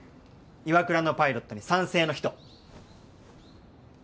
岩倉のパイロットに賛成の人。